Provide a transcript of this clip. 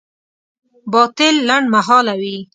باطل لنډمهاله وي.